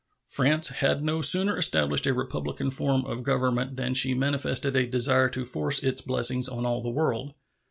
France had no sooner established a republican form of government than she manifested a desire to force its blessings on all the world.